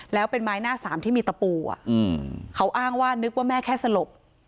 แล้วเป็นไม้หน้าสามที่มีตะปูเขาอ้างว่านึกว่าแม่แค่สลบ